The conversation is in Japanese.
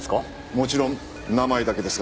もちろん名前だけですが。